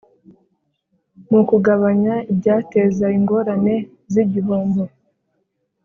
Mu kugabanya ibyateza ingorane z igihombo